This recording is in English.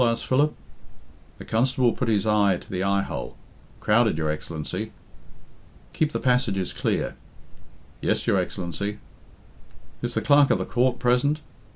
asked Philip. The constable put his eye to the eye hole. "Crowded, your Excellency. "Keep the passages clear." "Yes, your Excellency." "Is the Clerk of the Court present?"